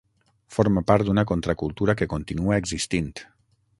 Forma part d'una contracultura que continua existint.